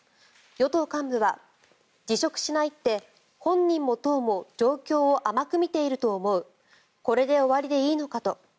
与党幹部は辞職しないって本人も党も状況を甘く見ていると思うこれで終わりでいいのかと。